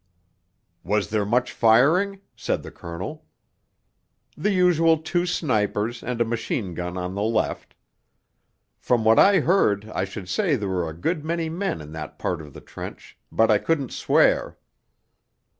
'Was there much firing?' said the Colonel. 'The usual two snipers and a machine gun on the left; from what I heard I should say there were a good many men in that part of the trench but I couldn't swear.'